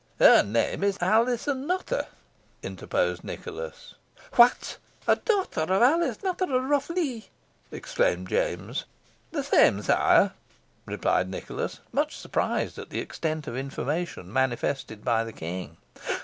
"Her name is Alizon Nutter," interposed Nicholas. "What! a daughter of Alice Nutter of Rough Lee?" exclaimed James. "The same, sire," replied Nicholas, much surprised at the extent of information manifested by the King.